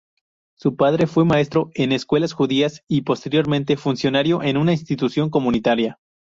Su padre fue maestro en escuelas judías y, posteriormente, funcionario en una institución comunitaria.